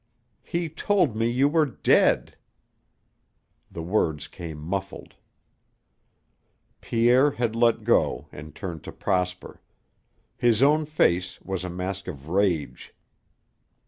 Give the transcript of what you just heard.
"He told me you were dead " The words came muffled. Pierre had let her go and turned to Prosper. His own face was a mask of rage.